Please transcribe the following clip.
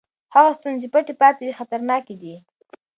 هغه ستونزې چې پټې پاتې وي خطرناکې دي.